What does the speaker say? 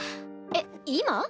えっ今？